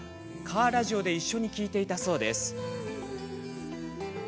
カーラジオで一緒に聞いていたそうです。